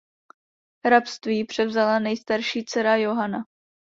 Hrabství převzala nejstarší dcera Johana.